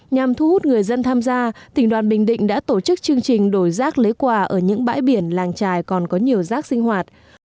nhằm thu hút người dân tham gia tỉnh đoàn bình định đã tổ chức chương trình đổi rác lấy quà ở những bãi biển làng trài còn có nhiều rác sinh hoạt